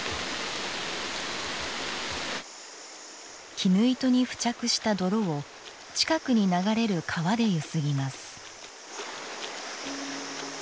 絹糸に付着した泥を近くに流れる川でゆすぎます。